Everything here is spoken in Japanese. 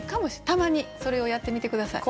たまにそれをやってみて下さい。